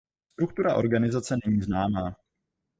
Struktura organizace není známá.